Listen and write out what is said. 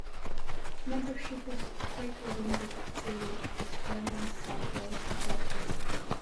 Membership is strictly limited to descendants of the "kazoku".